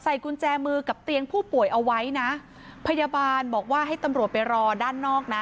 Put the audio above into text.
กุญแจมือกับเตียงผู้ป่วยเอาไว้นะพยาบาลบอกว่าให้ตำรวจไปรอด้านนอกนะ